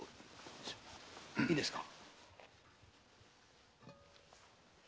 いいですか？